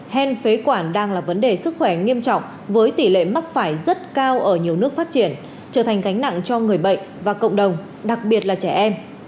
hen phế quản đang là vấn đề sức khỏe nghiêm trọng với tỷ lệ mắc phải rất cao ở nhiều nước phát triển trở thành gánh nặng cho người bệnh và cộng đồng đặc biệt là trẻ em